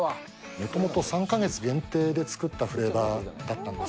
もともと３か月限定で作ったフレーバーだったんです。